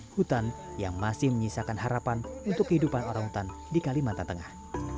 hutan yang masih menyisakan harapan untuk kehidupan orang hutan di kalimantan tengah